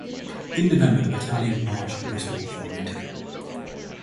In November the battalion marched to Bristol for the winter.